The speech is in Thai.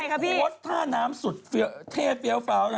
คือมันเป็นโฟสต์ถ้าน้ำสุดเผี้ยเฟียวเฟ้า